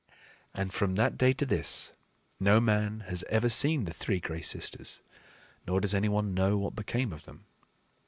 And, from that day to this, no man has ever seen the three Gray Sisters, nor does any one know what became of them.